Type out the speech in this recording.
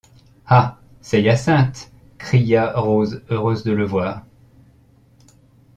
Ah ! c’est Hyacinthe ! cria Rose, heureuse de le voir.